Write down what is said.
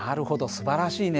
すばらしいね。